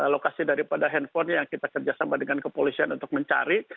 lokasi daripada handphone yang kita kerjasama dengan kepolisian untuk mencari